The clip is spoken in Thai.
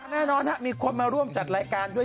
แน่นอนมีคนมาร่วมจัดรายการด้วย